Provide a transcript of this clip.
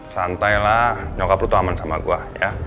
santailah nyokap lo tuh aman sama gue ya